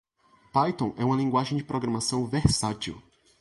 Python é uma linguagem de programação versátil.